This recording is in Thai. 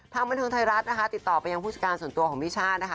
บันเทิงไทยรัฐนะคะติดต่อไปยังผู้จัดการส่วนตัวของพี่ช่านะคะ